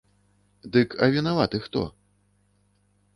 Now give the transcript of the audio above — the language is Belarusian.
Дык а вінаваты хто?